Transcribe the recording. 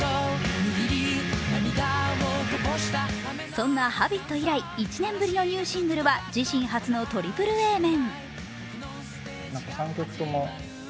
そんな「Ｈａｂｉｔ」以来、１年ぶりのニューシングルは、自身初のトリプルＡ面。